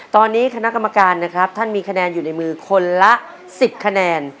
ตอนนี้คณะกรรมการมีคะแนนอยู่ในมือคนละ๑๐คะแนน